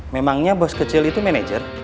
memangnya bos kecil itu manajer